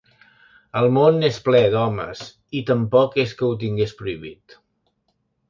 El món n'és ple, d'homes, i tampoc és que ho tingués prohibit.